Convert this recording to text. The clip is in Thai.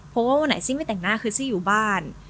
เพราะว่าวันไหนซี่ไม่แต่งหน้าคือซี่อยู่บ้าน